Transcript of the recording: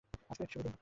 আজকেও একটা শুভ দিন।